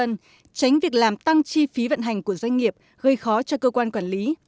tránh việc làm tăng chi phí vận hành của doanh nghiệp gây khó cho cơ quan quản lý